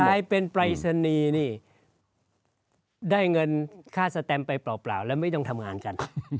กลายเป็นปรายศนีย์นี่ได้เงินค่าสแตมไปเปล่าแล้วไม่ต้องทำงานกัน